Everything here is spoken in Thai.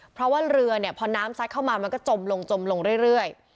เพราะว่าเรือเนี่ยพอน้ำซัดเข้ามามันก็จมลงจมลงเรื่อย